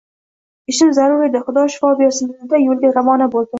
Ishim zarur edi, Xudo shifo bersin, – dedi-da yoʻliga ravona boʻldi.